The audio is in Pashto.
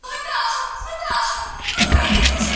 له خلکو تمه مه لره چې عزت دې وساتل شي.